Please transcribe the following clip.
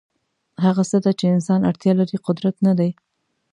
هغه څه ته چې انسان اړتیا لري قدرت نه دی.